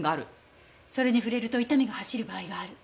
それに触れると痛みが走る場合がある。